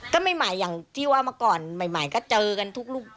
ก็ไม่ใหม่อย่างที่ว่าเมื่อก่อนใหม่ก็เจอกันทุกรูป